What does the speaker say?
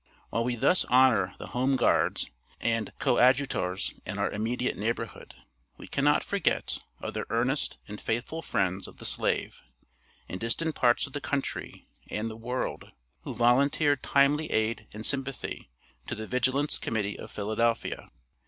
While we thus honor the home guards and coadjutors in our immediate neighborhood, we cannot forget other earnest and faithful friends of the slave, in distant parts of the country and the world, who volunteered timely aid and sympathy to the Vigilance Committee of Philadelphia.